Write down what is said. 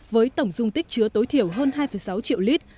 với tổng dung tích chứa tối thiểu hơn hai sáu triệu lít